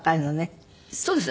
そうです。